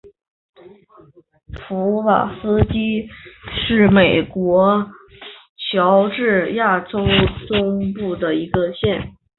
普瓦斯基县是美国乔治亚州中部的一个县。